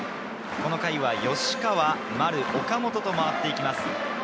この回は吉川、丸、岡本と回っていきます。